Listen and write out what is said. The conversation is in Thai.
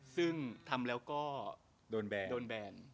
ซึ่งทำแล้วก็โดนแบน